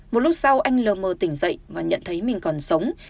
một lúc sau anh l mờ tỉnh dậy và nhận thấy mình còn sống